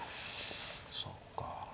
そっか。